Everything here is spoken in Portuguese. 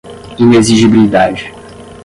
inexigibilidade